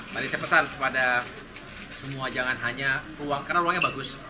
mari saya pesan kepada semua jangan hanya uang karena ruangnya bagus